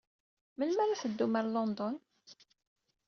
Melmi ara teddum ɣer London?